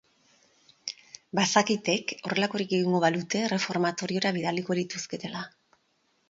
Bazakitek horrelakorik egingo balute erreformatoriora bidaliko lituzketela.